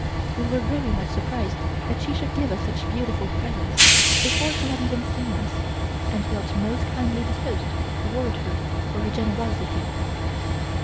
We were very much surprised that she should give us such beautiful presents before she had even seen us, and felt most kindly disposed toward her for her generosity.